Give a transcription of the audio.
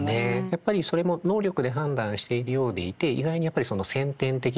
やっぱりそれも能力で判断しているようでいて意外にやっぱり先天的な要素というのが多分に絡んでくるので